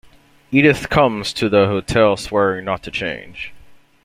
Edith comes to the hotel swearing not to change.